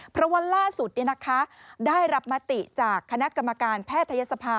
เพราะว่าล่าสุดได้รับมติจากคณะกรรมการแพทยศภา